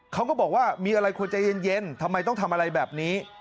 เขาก็บอกว่ามีอะไรควรใจเย็นทำไมต้องทำอะไรแบบนี้